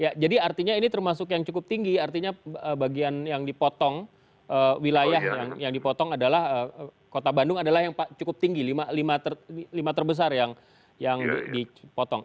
ya jadi artinya ini termasuk yang cukup tinggi artinya bagian yang dipotong wilayah yang dipotong adalah kota bandung adalah yang cukup tinggi lima terbesar yang dipotong